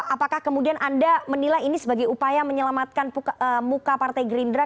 apakah kemudian anda menilai ini sebagai upaya menyelamatkan muka partai gerindra